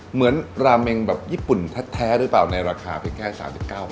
เหมือนราเมงแบบญี่ปุ่นแท้หรือเปล่าในราคาเพียงแค่๓๙บาท